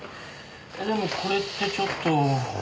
でもこれってちょっと。